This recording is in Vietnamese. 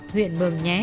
huyện mường nhé